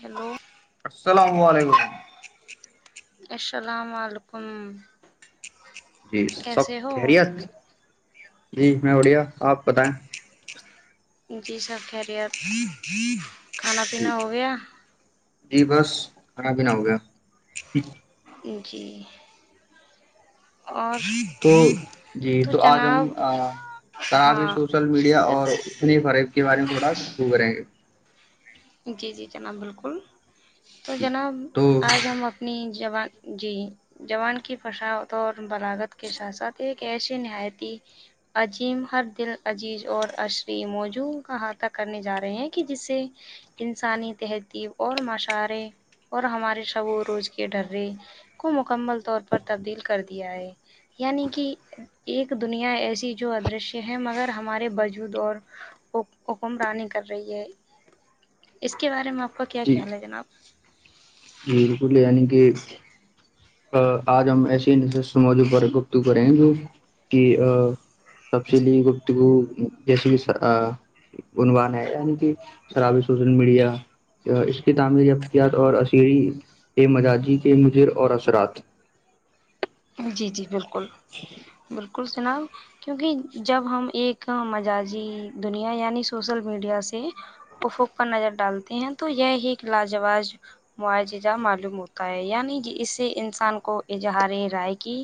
hello السلام علیکم السلام علیکم جی سب کیسے ہو خیریت جی میں اڑیا آپ بتائیں جی سب خ رہےار کھانا جی پیینا ہو گیا جی بس کھانا بھی نہ ہو گیا جی اور تو جی تو آج ہم ترا بھیی ہاں سوشل میڈیا اور اتنے فرق کے بارے میں تھوڑا شرو کریں گے جی جی جناب بالکل تو جناب تو آج ہم اپ اپنی جوبع جی جوان کی فشاوت اور بلاگت کے ساتھ ساتھ ایک ایسی نہایتی عجیم ہر دل عزیز اور عشری موجوںع کا احاطہ کرنے جا رہے ہیں کہ جسے انسانی تہذیب اور مشاعرے اور ہمارے شب و روج کے ڈرے کو مکمل طور پر تبدیل کر دیا ہے یعنی کہ ایک دنیا ایسی جو ادرشیہ ہے مگر ہمارے بجود اور حکمرانی کر رہی ہے اس کے بارے میں آپ کا کیا خیال ہے جناب جک لے کہ آج ہم ایسی ن موضوع پر گفتو کریں گے کہ ا تپ چلی گپت جیس بھی س گنوان ہے یعنی کہ شرابی سوشل میڈیا اس کی تعمیر افتیات اور اسری کے مزاجی کے مجر اور اثرات جی جی بالکل بالکل سناب کیونکہ جب ہم ایک مزجی دنیا یعنی سوشل میڈیا سے افوق پر نظر ڈالتے ہیں تو یہی ایک لاجواز معججہ معلوم ہوتا ہے یعنی اس سے انسان کو اظہار رائے کی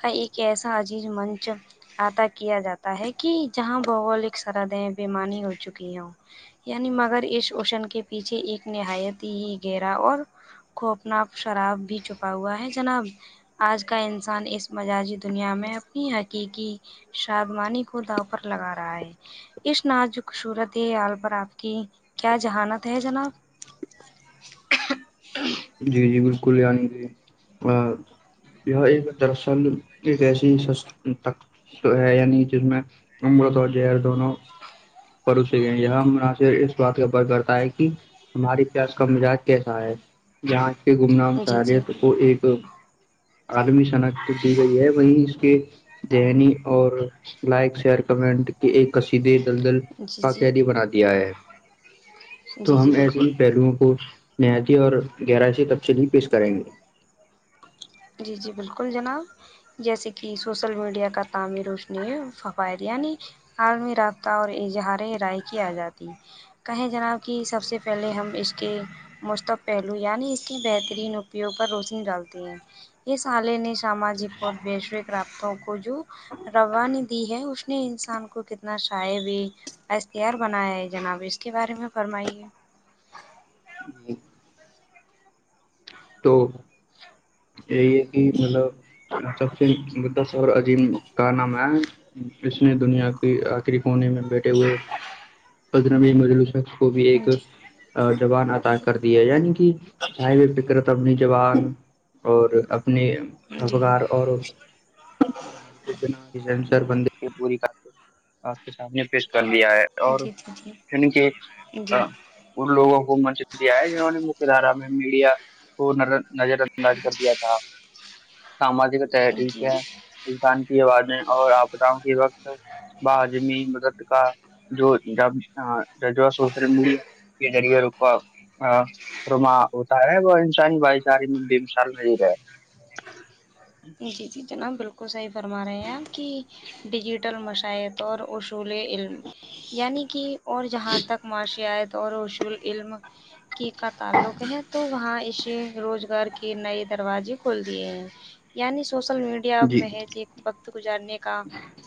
کا ایک ایسا عزیز منچ آطا کیا جاتا ہے کہ جہاں بھگولک سرحدیں بیمانی ہو چکی ہ یعنی مگر اس شوشن کے پیچھے ایک نہایت ہی گہرا اور کو اپنا شراب بھی چھپا ہوا ہے جناب آج کا انسان اس مججی دنیا میں اپنی حقیقی شادمانی کو داؤ پر لگا رہا ہے ا ند جو خصورت ہے آال پرر آپ کی کیا جہانت ہے جناب جی جی بالکل ینی جی یہ ایک دراصل ایک کیسی تک ہے یعنی جس میں امرت اور جر دونوں پرو یہ مناصر اس بات کا اپر کرتا ہے کہ ہمارے پس کا مزاج کیسا ہے جاں کی گمنام جی جی سہریت کو ایک آدمی سناخ کو دی گئی ہے وہیں اس کے ذنی اور لائک شیئر کمنٹ کے ایک کشیدی دلدل جی کا جی قیدی بنا دیا ہے جی تو ہم جی ایسے بالکل ہی پہلوؤں کو نہایتی اور گہرائی سے تفصلی پیش کریں گے جی جی بالکل جناب جیسے کہ سوسل میڈیا کا تعمیرش نے فوائد یعنی عالمی رابطہ اور اظہار رائے کی جاتی کہیں جناب کہ سب سے پہلے ہم اس کے مشتق پہلو یعنی اس کی بہترین اپیوگ پر روشنی ڈالتے ہیں یہ سالے نے سمجک اور ویشوک رابطوں کجو روانی دی ہے اس نے انسان کو کتنا شا بھی اختی آار بنایا ہے جناب اس کے بارے میں فرمائیے جی تو یہی ہے کہ مطلب سب سے اور عجیم کا نام ہے اس میں دنیا کے آخری کونے میں بیٹھے ہوئے پدر مل شخ بھی ایک جی زبان اطا کر د ہے یعنی کہ ہائی وے پہ کرپ اپنی جوان اور اپنی جی اخکار اور جی بند پور آپ کے سامنے پیش کر لیا ہے اور جی کہ ایک جی ان لووں کو منچ دیا ہے جنہوں نے مک دھارا میں میڈیا کو نظر انداز کر دیا تھا ساماجک طح جی ٹھیک جی ہے انسان کی آوازیں اور آپ بتاؤں کہ وقت بجمی مدد کا جو جب جہ سوسرے کے ذریعے رکا رما ہوتا ہے وہ بھائی ساری بی م سال میں ہی رہے جی جی جناب بالکل صحیح فرما رہے ہیں آپ کہ ڈیجیٹل مشاائط اور اصول علم یعنی کہ اور جہاں تک معاشت اور اصول علم کی کا تعلق ہے تو وہاں اسے روزگار کے نئے دروازے کھول دیے ہیں یعنی سوشل میڈیا جی محج ایک وقت گزارنے کا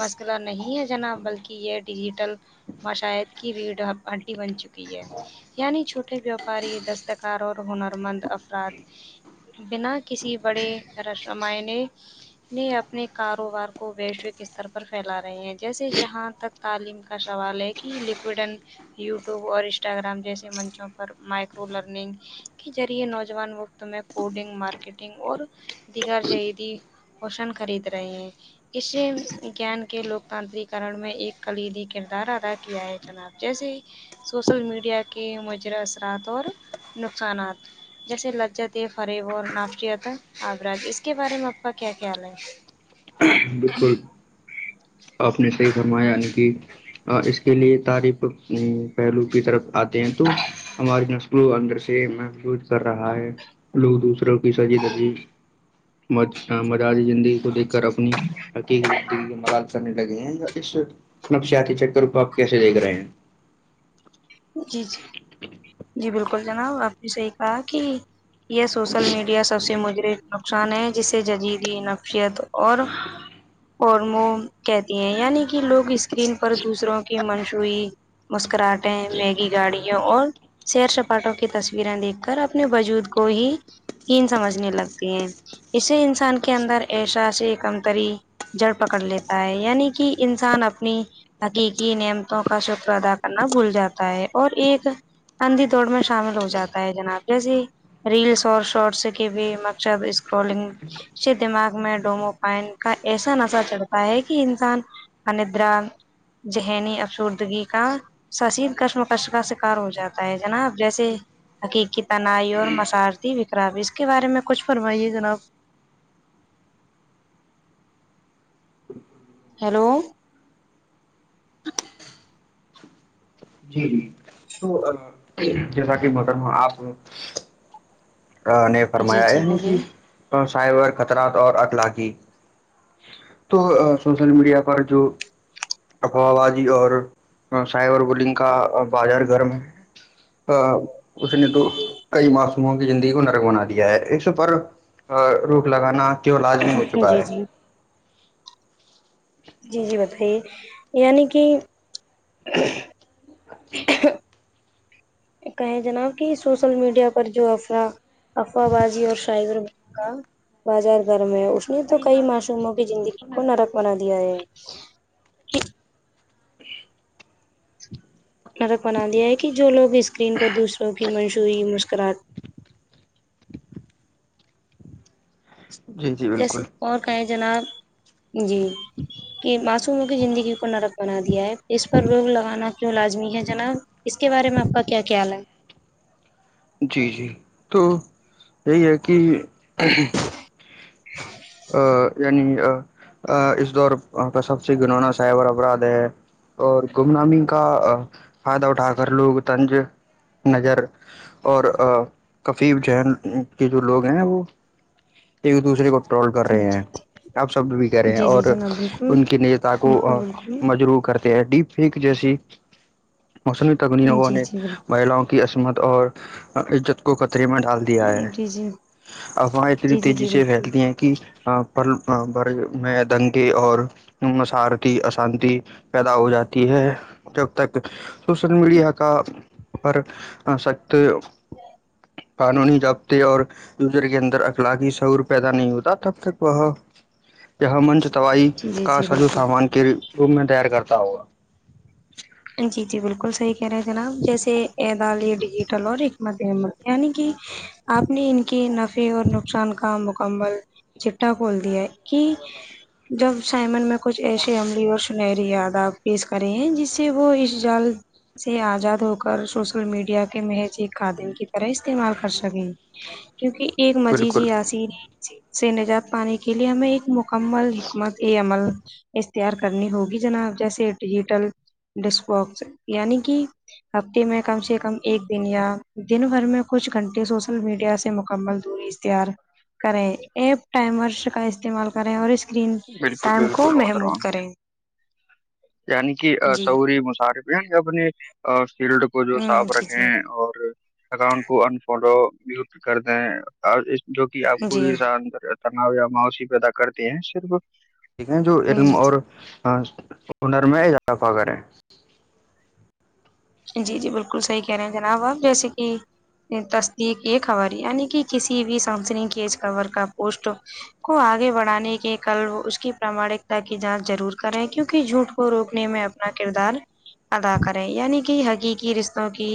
مسئلہ نہیں ہے جناب بلکہ یہ ڈیجیٹل مشاہر کی بھییڑھ ہڈی بن چکی ہے ہے یعنی چھوٹے دستکار اور ہنرمند افراد بنا کسی بڑے رش رامائنے یہ اپنے کاروبار کو ویشوک استر پر پھیلا رہے ہیں جیسے جہاں تک تعلیم کا سوال ہے کہ لکوڈ اینڈ یوٹیوب اور انسٹاگرام جیسے منچوں پر مائکرو لرننگ کے ذریعے نوجوان وقت میں کوڈنگ مارکیٹنگ اور دیگر جہیدی پوشن خرید رہے ہیں اسے گیان کے لوکتاانتر کرن میں ایک کلیدی کردار ادا کیا ہے جناب جیسے سوسل میڈیا کے مجر اثرات اور نقصانات جیسے لجت ہے فریب اور نافت اج اس کے بارے میں اپپا کیا خیال ہے بالکل آپ نے صحی فرمایا یعنی کہ اس کے لیے تعریف پہلو کی طرف آتے ہیں تو ہماری نسلوں اندر سے محفوظ کر رہا ہے لوگ دوسروں کی سجی سجی مز آتی زندگی کو دیکھ کر اپنی حقیقی زندگی کے مرال کرنے لگے ہیں یا اس اپ نفسیاتی چکر کو آپ کیسے دیکھ رہے ہیں جی جی جی بالکل جناب آپ نے صحی کہا کہ یہ سوشل میڈیا سب سے مجر نقصان ہے جسے ججیدی نفیت اور فارمو کہتی ہیں یعنی کہ لوگ اسکرین پر دوسروں کی منشوعی مسکراہٹے میگی گاڑیوں اور سیر سپاٹوں کی تصویریں دیکھ کر اپنے وجود کو ہی ہیین سمجھنے لگتی ہیں اسے انسان کے اندر ایشا سے ایکمتری جڑ پکڑ لیتا ہے یعنی کہ انسان اپنی حقیقی نیمتوں کا سوتر ادا کرنا بھول جاتا ہے اور ایک اندندھی دوڑ میں شامل ہو جاتا ہے جناب جیسے ہی ریلس اور شارٹس کی بھی مقصد اسکرولنگ دماغ میں ڈوموپائن کا ایسا نشہ چڑھتا ہے کہ انسان اندرا ذہنی افسردگی کا سسی کشمکش کا شکار ہو جاتا ہے جناب جیسے حقیقی تنائی اور مسارتی وکرا بھی اس کے بارے میں کچھ فرمائیے جناب ہیلو جی جی تو جیسا کہ مب آپ نے جی فرمایا جی بولیے کہ تو سائبر خطرات اور اطلاقی تو سوشل میڈیا پر جو افوبادی اور سائبر بلنگ کا بازار گرم ہے اس نے تو کئی معسوموں کی زندگی کو نرک بنا دیا ہے اس پر روک لگانا کی لازمی ہو چکا جی ہے جی جی جی بتائیے یعنی کہ کہیں جناب کہ سوشل میڈیا پر جو افر افواہ بازی اور شائز کا بازار گھر میں اس نے تو کئی معصوموں کی زندگی کو نرک بنا دیا ہے نرق بنا دیا ہے کہ جو لوگ اسکرین پر دوسروں کی منشوی مسکرات جی جی جیسے بالکل اور کہیں جناب جی کہ مسموں کی زندگی کو نرک بنا دیا ہے اس پر روگ لگانا کیوں لازمی ہے جناب اس کے بارے میں آپ کا کیا خیال ہے جی جی تو یہی ہے کہ ہاں یعنی اس دور کا سب سے گننا سائبر اپراد ہے اور گم نامی کا فائدہ اٹھا کر لوگ تنج نظر اور کفی ذن کے جو لوگ ہیں وہ ایک دوسرے کوٹرول کر رہے ہیں اب سب بھی کریں ہیں جی جی اور جناب بالکل ان کے نیتا بالکل کو بالکل مجرو کرتے ہیں ڈپ پیک جیسی موسمی تکنیوگوں جی نے جی مہیلاں عصمت اور عزت کو خطرے میں ڈال دیا دیا بالکل ہے جی جی افواہ اتنی جی جی تیزی جی سے بالکل پھیلتی ہیں کہ کی پر میں دنگے اور مسارتی اشانتی پیدا ہو جاتی ہے جب تک سوشل میڈیا کا پر سخت قانونی جضابطے اور یوزر کے اندر اخلاقی سعور پیدا نہیں ہوتے تب تک وہ یہاں منچ تائی جی جی کا جی سا جوو بالکل سامان کے روم میں تیار کرتا ہوگا جی جی بالکل صحیح کہہ رہے ہیں جناب جیسے اعدالیہ ڈیجیٹل اور حکمت احمد یعنی کہ آپ نے ان کے نفع اور نقصان کا مکمل چٹا کھول دیا ہے کہ جب سائمن میں کچھ ایسی عملی اور سنہری یاداب پیس کرے ہیں جس سے وہ اس جال سے آزاد ہو کر سوشل میڈیا کے محض ایک خادم کی طرح استعمال کر سکیں کیونکہ ایک مزج بالکل ہی آسی نہیں س سے نجات پانے کے لیے ہمیں ایک مکمل حکمت یہ عمل اتار کرنی ہوگی جناب جیسے ڈیجیٹل ڈسک باکس یعنی کہ ہفتے میں کم سے کم ایک دن یا دن بھر میں کچھ گھنٹے سوشل میڈیا سے مکمل دوری تار کریں ایپ ٹمرس کا استعمال کریں اور اس اسرین بالکل ٹائم کو بالکل محمود محترم کریں یعنی کہ جی سعوری مشارف یعنی اپنی فیلڈ کو ہ جو صاف جی جی رکھیں اور اکاؤنٹ کو انفالو میوٹ کر دیں اور اس جو کہ آپ کو جی بھیان تناؤ یا ماوشی پیدا کرتے ہیں صرف ٹھیک ہے جو جی علم جی اور ہنر میں اضاضافہ کریں جی جی بالکل صحیح کہہ رہے ہیں جناب آپ جیسے کہ تصدیق یہ خبر یعنی کہ کسی بھی سمسن کی خبر کا پوسٹ کو آگے بڑھانے کے کل وہ اس کی پراماانکتا کی جانچ ضرور کریں کیونکہ جھوٹ کو روکنے میں اپنا کردار ادا کریں یعنی کہ حقیقی رشتوں کی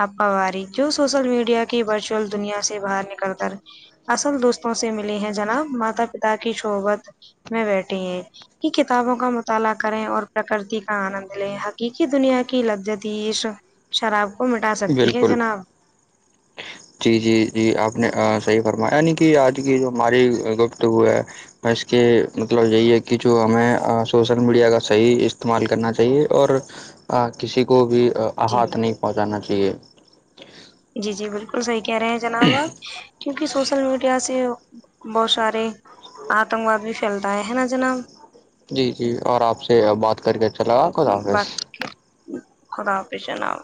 ہپا واری جو سوشل میڈیا کی ورچول دنیا سے باہر نکل کر اصل دوستوں سے ملی ہیں جناب ماتا پتا کی شوبت میں بیٹھے ہیں کہ کتابوں کا مطالعہ کریں اور پرکرتی کا آنند لے حقیقی دنیا کی لججت تش شراب کو مٹا سکتی ہے بالکل جناب جی جی جی آپ نے صحیح فرمایا یعنی کہ آج کی جو ہماری گفٹ ہو ہے ب اس کے مطلب یہی ہے کہ جو ہمیں سوسل میڈیا کا صحیح استعمال کرنا چاہیے اور کسی کو بھی جی احات نہیں پہنچانا چاہیے جی جی بالکل صحیح کہہ رہے ہیں جناب آپ کیونکہ سوشل میڈیا سے بہت سارے آتنک واد بھی پھیلتا ہے ہے نا جناب جی جی اور آپ سے بات کر کے اچھا لگا خدا حافظ بات رے خدا حافظ جؤ